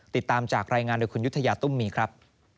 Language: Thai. ติดตามจากรายงานโดยคุณยุธยาตุ้มมีครับ